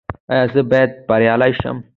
ایا زه باید بریالی شم؟